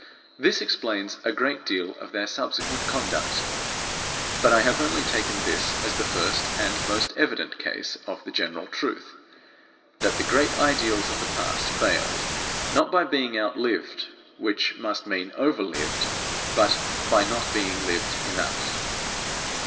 This explains a great deal of their subsequent conduct. But I have only taken this as the first and most evident case of the general truth: that the great ideals of the past failed not by being outlived (which must mean over lived), but by not being lived enough.